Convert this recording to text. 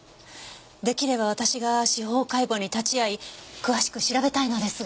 出来れば私が司法解剖に立ち会い詳しく調べたいのですが。